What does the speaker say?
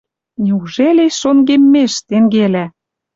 Неужели, шонгеммеш, тенгелӓ